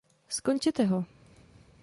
Skončete ho.